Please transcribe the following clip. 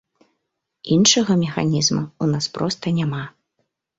Іншага механізма ў нас проста няма.